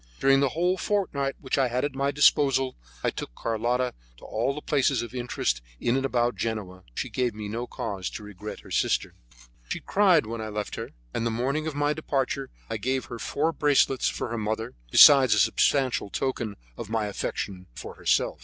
During the whole fortnight which I had at my disposal, I took Carlotta to all the places of interest in and about Genoa. She gave me no cause to regret her sister. She cried when I left her, and the morning of my departure I gave her four bracelets for her mother, besides a substantial token of my affection for herself.